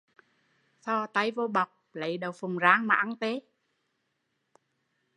Thò tay vô bọc lấy đậu phọng rang ăn